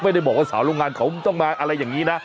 ไม่ได้บอกว่าสาวโรงงานเขาต้องมาอะไรอย่างนี้นะ